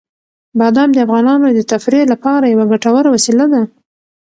بادام د افغانانو د تفریح لپاره یوه ګټوره وسیله ده.